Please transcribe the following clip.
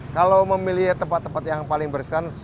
kalau memilih tempat tempat yang paling bersin